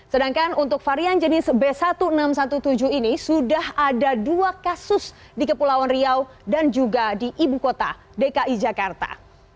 sedangkan untuk varian jenis b satu enam satu tujuh ini sudah ada dua kasus di kepulauan riau dan juga di ibukota dki jakarta